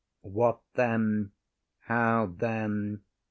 What then? How then?